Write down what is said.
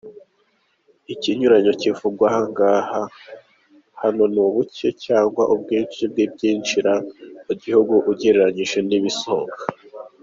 Ikinyuranyo kivugwa hano ni ubuke cyangwa ubwinshi bw’ibyinjira mu gihugu ugereranyije n’ibisohoka.